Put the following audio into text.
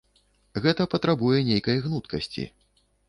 Гэта патрабуе нейкай гнуткасці.